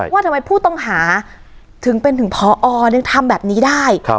ว่าทำไมผู้ต้องหาถึงเป็นถึงพอยังทำแบบนี้ได้